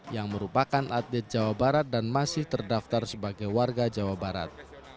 yang merupakan atlet jawa barat dan masih terdaftar sebagai warga jawa barat